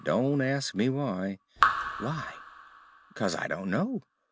Don't ask me why." "Why?" "'Cause I don't know.